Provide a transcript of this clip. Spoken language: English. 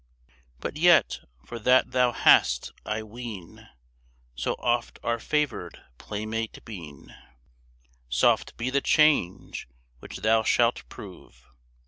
But yet, for that thou hast, I ween, So oft our favored playmate been, Soft be the change which thou shalt prove!